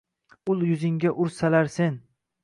Ul yuzingga ursalar sen